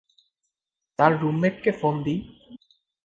তার রুমমেটকে ফোন দিই।